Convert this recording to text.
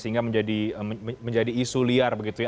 sehingga menjadi isu liar begitu ya